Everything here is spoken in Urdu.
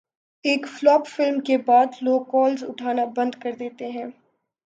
ایک فلاپ فلم کے بعد لوگ کالز اٹھانا بند کردیتے ہیں